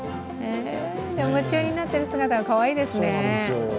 夢中になっている姿、かわいいですね。